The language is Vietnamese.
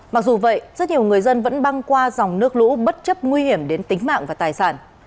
mặc dù vậy rất nhiều người dân vẫn băng qua dòng nước lũ bất chấp nguy hiểm đến tính mạng và tài sản